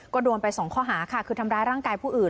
ก็โดนไปสองข้อหาค่ะคือทำร้ายร่างกายผู้อื่น